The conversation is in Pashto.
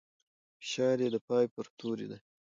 فشار يې د پای پر توري دی.